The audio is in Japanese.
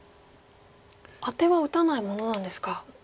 アテは打たないものなんですか。